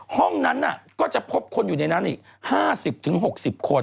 ห้องนั้นก็จะพบคนอยู่ในนั้นอีก๕๐๖๐คน